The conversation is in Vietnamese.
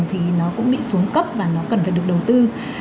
thì nó cũng bị xuống cấp và nó cần phải được đầu tư